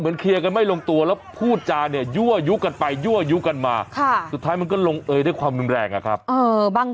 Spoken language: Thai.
แม่งกับหมวดแล้วอยู่ดีกว่ามายมายเดี๋ยวป้าป้าต้องจะยิัน